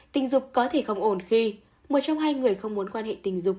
tình dục có thể không ổn khi một trong hai người không muốn quan hệ tình dục